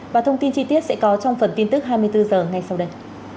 và thông tin chi tiết sẽ có trong phần tin tức hai mươi bốn h ngay sau đây